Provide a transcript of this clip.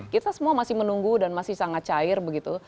kita semua masih menunggu dan masih sangat cair begitu